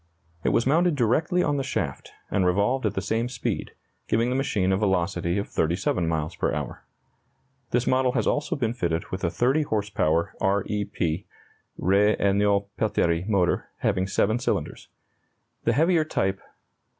It was mounted directly on the shaft, and revolved at the same speed, giving the machine a velocity of 37 miles per hour. This model has also been fitted with a 30 horse power R E P (R. Esnault Pelterie) motor, having 7 cylinders. The heavier type "No.